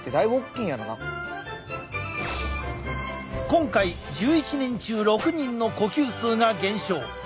今回１１人中６人の呼吸数が減少。